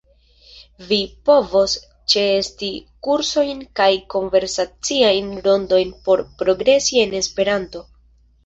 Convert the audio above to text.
Vi povos ĉeesti kursojn kaj konversaciajn rondojn por progresi en Esperanto.